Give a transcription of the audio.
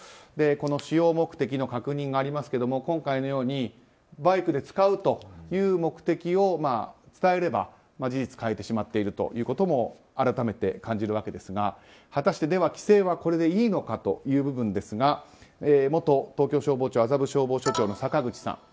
使用目的の確認がありますけど今回のように、バイクで使うという目的を伝えれば事実、買えてしまっているというところも改めて感じるわけですが果たして、規制はこれでいいのかという部分ですが元東京消防庁麻布消防署長の坂口さん。